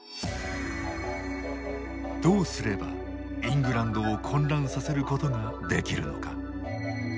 どうすれば、イングランドを混乱させることができるのか。